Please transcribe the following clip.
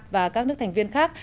và các nước thành viên khác